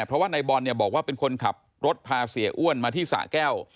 เพราะว่านายบอลเนี่ยบอกว่าเป็นคนขับรถพาเสียอ้วนมาที่สะแก้ว